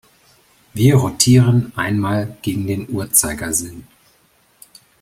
Wir rotieren einmal gegen den Uhrzeigersinn.